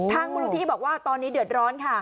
มูลนิธิบอกว่าตอนนี้เดือดร้อนค่ะ